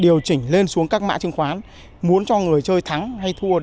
điều chỉnh lên xuống các mạng chứng khoán muốn cho người chơi tham gia vào những cái sàn